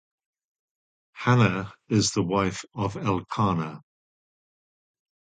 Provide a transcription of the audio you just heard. Hannah is the wife of Elkanah.